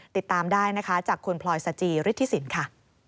ติดตามได้นะคะจากคุณพลอยสจิฤทธิสินค่ะ